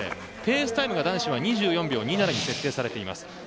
ペースタイムは２４秒２７に設定されています。